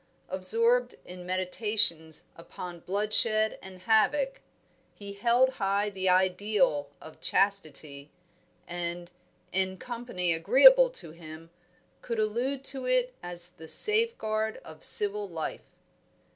Absorbed in meditations upon bloodshed and havoc, he held high the ideal of chastity, and, in company agreeable to him, could allude to it as the safeguard of civil life.